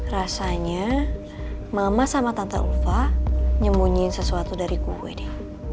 rasanya mama sama tante ulfa nyemunyiin sesuatu dari gue deh